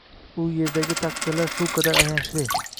u yerdagi taqdirlar shu qadar ayanchli